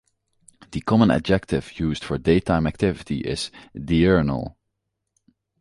The common adjective used for daytime activity is "diurnal".